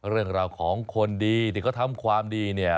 เรื่องราวของคนดีที่เขาทำความดีเนี่ย